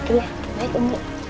oke baik umit